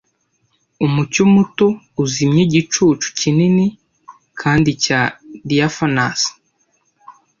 Umucyo muto uzimye igicucu kinini kandi cya diaphanous,